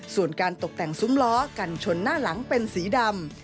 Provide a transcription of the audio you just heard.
ส่วนการตกแต่งซุ้มล้อกันชนหน้าหลังเป็นสีดำ